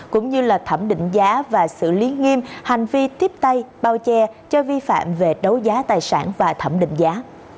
cũng như là thẩm định giá và xử lý nghiêm hành vi tiếp tay bao che cho vi phạm về đấu giá tài sản và thẩm định giá